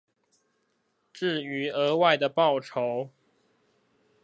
至於額外的報酬